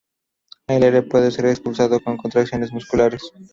El aire puede ser expulsado con contracciones musculares.